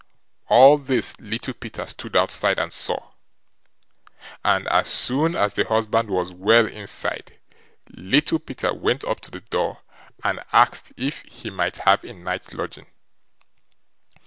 All this Little Peter stood outside and saw, and as soon as the husband was well inside Little Peter went up to the door and asked if he might have a night's lodging.